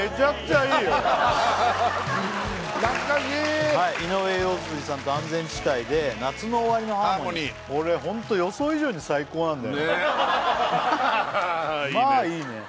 はい井上陽水さんと安全地帯で「夏の終りのハーモニー」これホント予想以上に最高なんだよねねっ